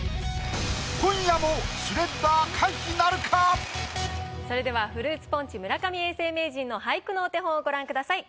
今夜もそれではフルーツポンチ村上永世名人の俳句のお手本をご覧ください。